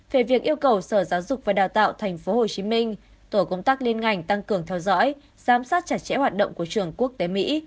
về việc yêu cầu sở giáo dục và đào tạo tp hcm tổ công tác liên ngành tăng cường theo dõi giám sát chặt chẽ hoạt động của trường quốc tế mỹ